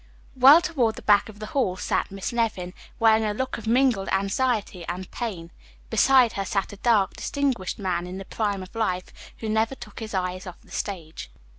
Well toward the back of the hall sat Miss Nevin, wearing a look of mingled anxiety and pain. Beside her sat a dark, distinguished man in the prime of life, who never took his eyes off the stage.